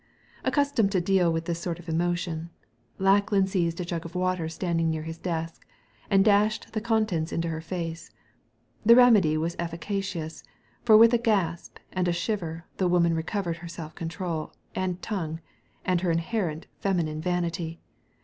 Accustomed to deal with this sort of emotion, Lackland seized a jug of water standing near his desk, and dashed the contents into her face. The remedy was efficacious, for with a gasp and a shiver the woman recovered her self control and tongue, also her inherent feminine vanity.